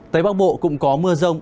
tây bắc bộ cũng có mưa rông